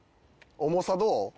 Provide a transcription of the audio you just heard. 重さどう？